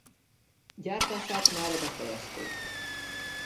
Gyártását mára befejezték.